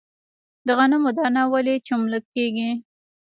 د غنمو دانه ولې چملک کیږي؟